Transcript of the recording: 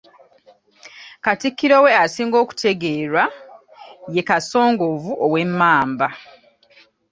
Katikkiro we asinga okutegeerwa ye Kasongovu ow'Emmamba.